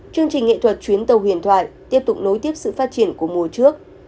chương trình nghệ thuật chuyến tàu huyền thoại tiếp tục nối tiếp sự phát triển của mùa trước